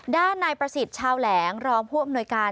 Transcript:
ด้านนายประสิทธิ์ชาวแหลงรองผู้อำนวยการ